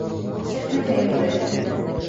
Сәхнәгә йүгерәләр.